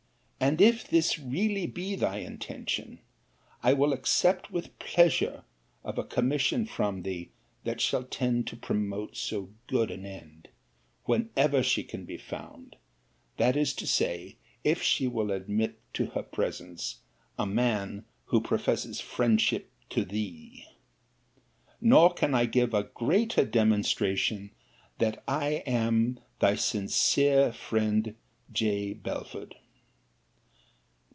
And if this really be thy intention, I will accept with pleasure of a commission from thee that shall tend to promote so good an end, whenever she can be found; that is to say, if she will admit to her presence a man who professes friendship to thee. Nor can I give a greater demonstration, that I am Thy sincere friend, J. BELFORD.